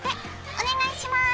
お願いします！